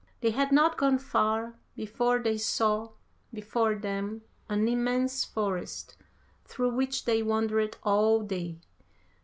They had not gone far before they saw before them an immense forest, through which they wandered all day.